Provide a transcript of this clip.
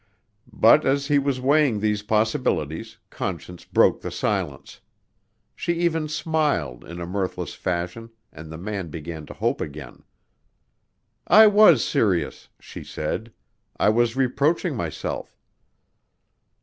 But as he was weighing these possibilities, Conscience broke the silence. She even smiled in a mirthless fashion and the man began to hope again. "I was serious," she said. "I was reproaching myself."